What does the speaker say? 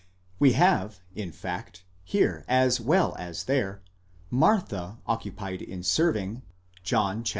We have, in fact, here as well as 'there, Martha occupied in serving (John xii.